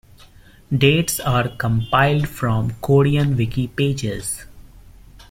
Dates are compiled from Korean Wiki pages.